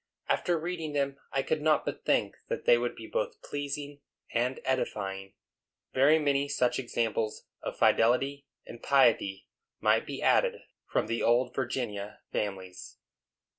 After reading them I could not but think that they would be both pleasing and edifying. Very many such examples of fidelity and piety might be added from the old Virginia families.